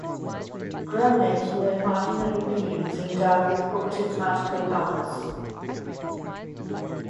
Gremlins were imaginary beings endowed with potent magical powers.